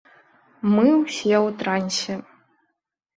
Мы ўсе ў трансе.